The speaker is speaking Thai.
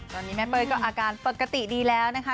ตอนนี้แม่เป้ยก็อาการปกติดีแล้วนะคะ